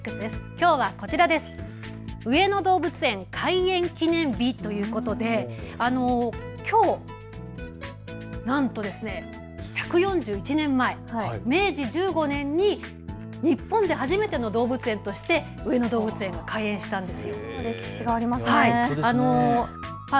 きょうはこちら、上野動物園開園記念日ということできょうなんと１４１年前、明治１５年のきょう日本で初めての動物園として上野動物園が開園したんです。